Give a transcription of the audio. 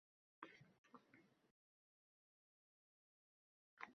Men ortiqcha izoh bermayman